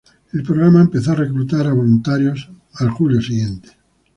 El programa empezó a reclutar a voluntarios al julio siguiente.